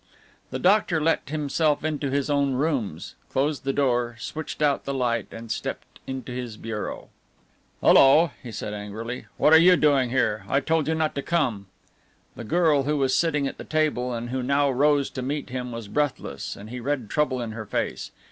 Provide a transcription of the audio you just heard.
The doctor let himself into his own rooms, closed the door, switched out the light and stepped into his bureau. "Hello," he said angrily, "what are you doing here? I told you not to come." The girl who was sitting at the table and who now rose to meet him was breathless, and he read trouble in her face.